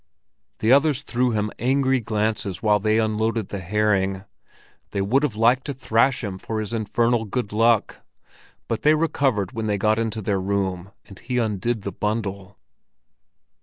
The others threw him angry glances while they unloaded the herring. They would have liked to thrash him for his infernal good luck. But they recovered when they got into their room and he undid the bundle.